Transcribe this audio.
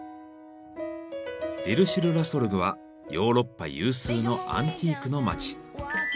リル・シュル・ラ・ソルグはヨーロッパ有数のアンティークの街。